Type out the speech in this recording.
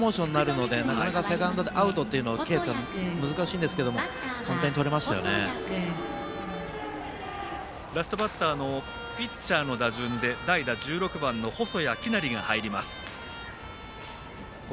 逆モーションになるのでなかなかセカンドでアウトというケースが難しいんですけどラストバッターのピッチャーの打順で代打、１６番の細谷季登が入ります。